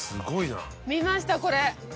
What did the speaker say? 見ましたこれ！